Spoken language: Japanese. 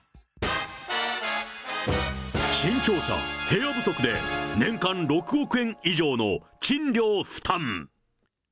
新庁舎部屋不足で年間６億円以上の賃料負担。